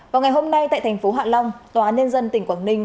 vào ngày hôm nay tại thành phố hạ long tòa án nhân dân tỉnh quảng ninh